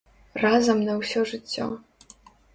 Разам на ўсё жыццё.